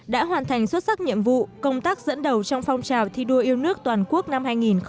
đã hoàn thành xuất sắc nhiệm vụ công tác dẫn đầu trong phong trào thi đua yêu nước toàn quốc năm hai nghìn hai mươi